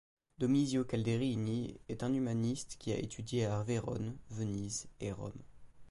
Domizio Calderini est un humaniste qui a étudié à Vérone, Venise et Rome.